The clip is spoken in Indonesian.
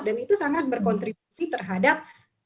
itu sangat berkontribusi terhadap